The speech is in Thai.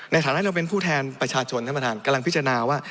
ในฐานะเราเป็นผู้แทนประชาชนท่านประธานกำลังพิจารณาว่า